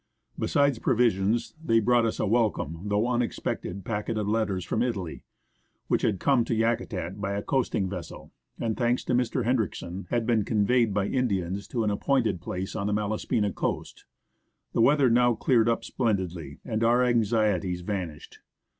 Besides provisions, they brought us a welcome, though unexpected, packet of letters from Italy, which had come to Yakutat by a coasting vessel, and, thanks to Mr. Hendriksen, had been conveyed by Indians to an appointed place on the Malaspina coast. The weather now cleared up splendidly, and our anxieties vanished.